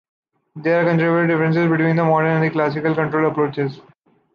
There are considerable differences between the modern and the classical control approaches.